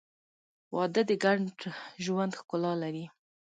• واده د ګډ ژوند ښکلا لري.